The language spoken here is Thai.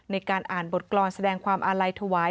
ในการอ่านบทกรรมแสดงความอาลัยถวาย